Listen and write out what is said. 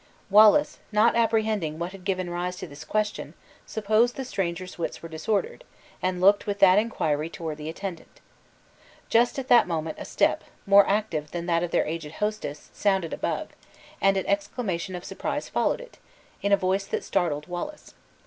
Wallace, not apprehending what had given rise to this question, supposed the stranger's wits were disordered, and looked with that inquiry toward the attendant. Just at that moment a step, more active than that of their aged hostess, sounded above, and an exclamation of surprise followed it, in a voice that startled Wallace.